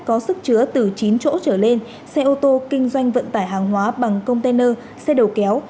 có sức chứa từ chín chỗ trở lên xe ô tô kinh doanh vận tải hàng hóa bằng container xe đầu kéo